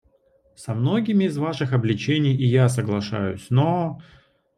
Со многими из ваших обличений и я соглашаюсь, но...